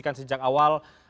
kita sudah diskusikan sejak awal